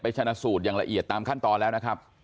ชนะสูตรอย่างละเอียดตามขั้นตอนแล้วนะครับ